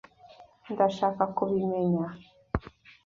Ndashaka kubimenya.